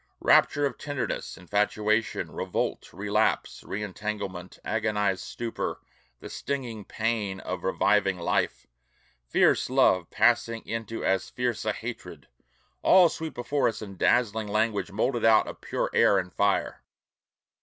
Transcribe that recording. Rapture of tenderness, infatuation, revolt, relapse, re entanglement, agonized stupor, the stinging pain of reviving life, fierce love passing into as fierce a hatred, all sweep before us in dazzling language molded out of pure air and fire.